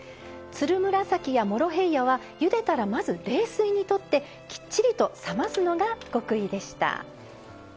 つるむらさきやモロヘイヤはゆでたらまず冷水にとってきっちりと冷ますのが極意でした。